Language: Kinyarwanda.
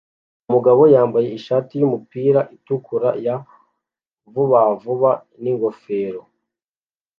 Umugabo yambaye ishati yumupira itukura ya vuba vuba n'ingofero